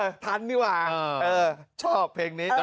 คุณผู้ชมถามมาในไลฟ์ว่าเขาขอฟังเหตุผลที่ไม่ให้จัดอีกที